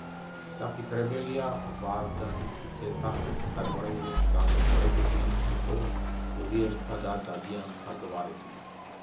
საფიქრებელია, ვარდანისძეთა საგვარეულოს განშტოებები იყო გურიელთა და დადიანთა გვარები.